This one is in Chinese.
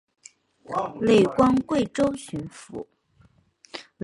累官贵州巡抚。